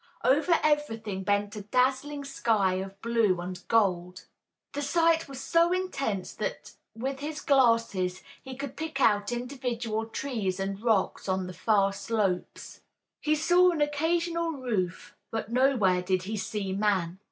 Over everything bent a dazzling sky of blue and gold. The light was so intense that with his glasses he could pick out individual trees and rocks on the far slopes. He saw an occasional roof, but nowhere did he see man.